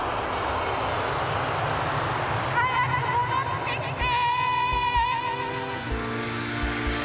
はやくもどってきて！